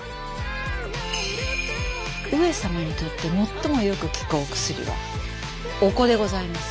上様にとってもっともよく効くお薬はお子でございます。